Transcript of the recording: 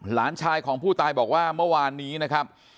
หลานชายของผู้ตายบอกว่าเมื่อวานนี้นะครับ